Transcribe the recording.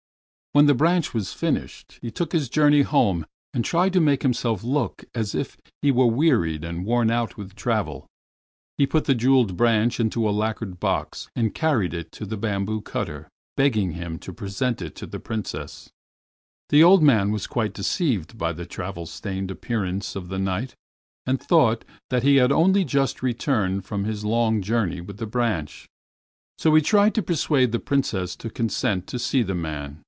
When the branch was finished, he took his journey home and tried to make himself look as if he were wearied and worn out with travel. He put the jeweled branch into a lacquer box and carried it to the bamboo cutter, begging him to present it to the Princess. The old man was quite deceived by the travel stained appearance of the Knight, and thought that he had only just returned from his long journey with the branch. So he tried to persuade the Princess to consent to see the man.